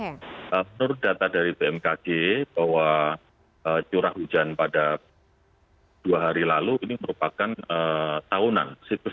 menurut data dari bmkg bahwa curah hujan pada dua hari lalu ini merupakan tahunan